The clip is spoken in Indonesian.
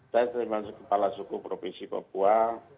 saya saya masuk kepala suku provinsi papua